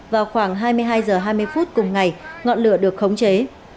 vào khoảng hai mươi hai h hai mươi phút cùng ngày ngọn lửa được khống chế